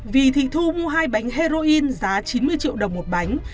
vì thị thu mua hai bánh heroin giá chín mươi triệu đồng một bánh